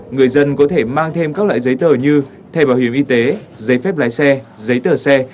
người dân có thể mang thêm các loại giấy tờ như thẻ bảo hiểm y tế giấy phép lái xe giấy tờ xe